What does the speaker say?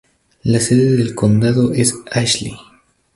La sede del condado es Ashley.